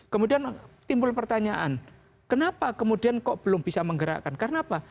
kemudian timbul pertanyaan kenapa kemudian kok belum bisa menggerakkan karena apa